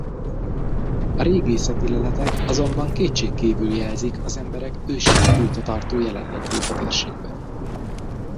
A régészeti leletek azonban kétségkívül jelzik az emberek ősidők óta tartó jelenlétét a térségben.